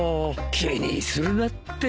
気にするなって。